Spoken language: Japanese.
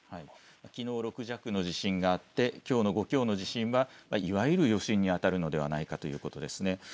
きのう６弱の地震があってきょうの５強の地震はいわゆる余震にあたるのではないかということですね。